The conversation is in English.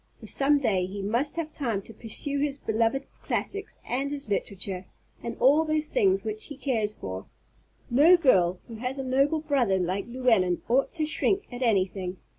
For some day he must have time to pursue his beloved classics, and his literature, and all those things which he cares for. No girl who has a noble brother like Llewellyn ought to shrink at anything.